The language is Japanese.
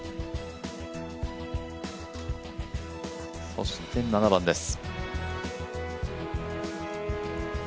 そして７番です。